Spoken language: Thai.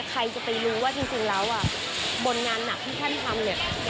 ใครจะไปรู้ว่าจริงแล้วบนงานหนักที่ท่านทำเนี่ย